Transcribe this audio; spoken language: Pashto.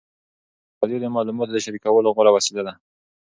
راډیو د معلوماتو د شریکولو غوره وسیله ده.